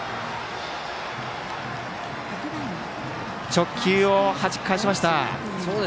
直球をはじき返しました。